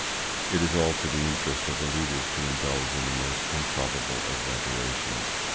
It is all to the interest of the leaders to indulge in the most improbable exaggerations.